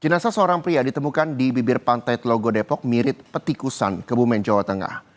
jenasa seorang pria ditemukan di bibir pantai telogo depok mirip petikusan kebumen jawa tengah